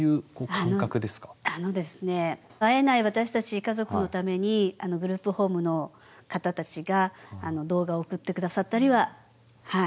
あのですね会えない私たち家族のためにグループホームの方たちが動画を送って下さったりははいしてたんですけど。